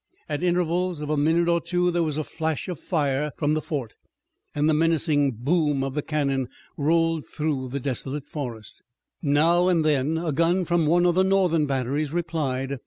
At intervals of a minute or two there was a flash of fire from the fort, and the menacing boom of the cannon rolled through the desolate forest. Now and then, a gun from one of the Northern batteries replied.